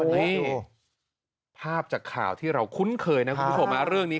นี่ภาพจากข่าวที่เราคุ้นเคยนะครับคุณผู้ชม